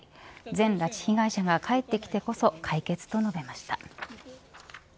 全拉致被害者が帰ってきてこそ解決と述べました。